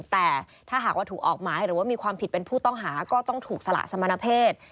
แต่ถ้าหากว่าถูกออกหมายหรือว่ามีความผิดเป็นผู้ต้องหาก็ต้องถูกสละสมณเพศ